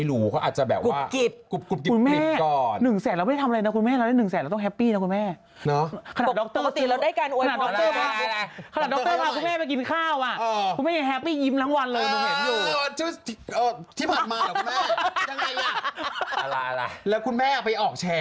แต่ถ้าเกิดปึกหนาขึ้นมาก็มี๒